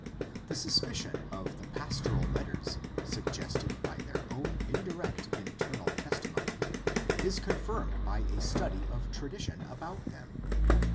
This suspicion of the Pastoral Letters, suggested by their own indirect internal testimony, is confirmed by a study of tradition about them.